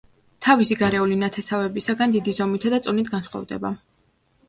თავისი გარეული ნათესავებისაგან დიდი ზომითა და წონით განსხვავდება.